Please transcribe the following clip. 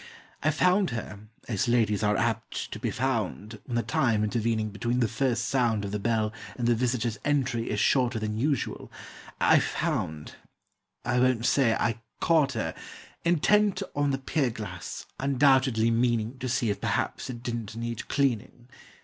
I found her, as ladies are apt to be found, When the time intervening between the first sound Of the bell and the visitor's entry is shorter Than usual, I found; I won't say I caught her, Intent on the pier glass, undoubtedly meaning To see if perhaps it didn't need cleaning.